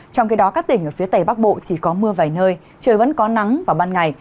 trong khi đó các tỉnh ở phía tây bắc bộ chỉ có mưa vài nơi trời vẫn có nắng vào ban ngày